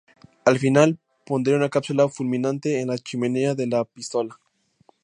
Al final pondría una cápsula fulminante en la chimenea de la pistola.